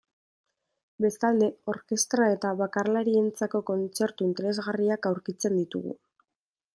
Bestalde, orkestra eta bakarlarientzako kontzertu interesgarriak aurkitzen ditugu.